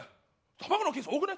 卵のケース多くない？